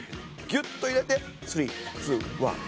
ギュッと入れてスリーツーワン。